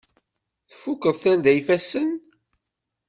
Tfukeḍ tarda n yifassen?